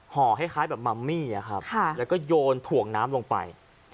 ห่อคล้ายแบบมัมมี่ครับแล้วก็โยนถ่วงน้ำลงไป